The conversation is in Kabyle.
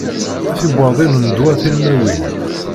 Tibuwaḍin n ddwa tilmawin.